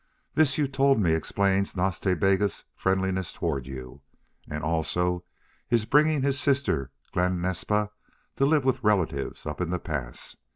This you told me explains Nas Ta Bega's friendliness toward you, and also his bringing his sister Glen Naspa to live with relatives up in the pass.